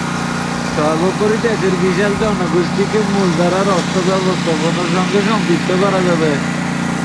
সর্বোপরি দেশের বিশাল জনগোষ্ঠীকে মূলধারার অর্থ ব্যবস্থাপনার সঙ্গে সম্পৃক্ত করা যাবে।